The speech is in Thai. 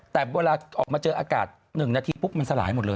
แต่เวลาออกมาเจออากาศ๑นาทีปุ๊บมันสลายหมดเลย